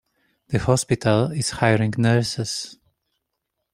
The hospital is hiring nurses.